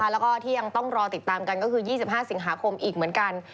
แล้วก็ที่ยังต้องรอติดตามกันก็คือ๒๕สิงหาคมอีกเหมือนกัน